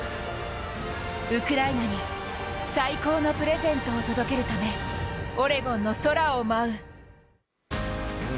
ウクライナに最高のプレゼントを届けるためオレゴンの空を舞う。